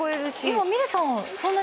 今みれさん